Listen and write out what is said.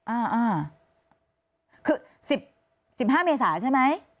อ่าคือ๑๕เมษาใช่ไหม